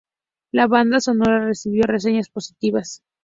La banda sonora recibió reseñas positivas.